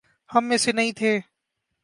ہم میں سے نہیں تھے؟